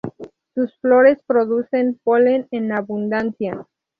Sus flores producen polen en abundancia.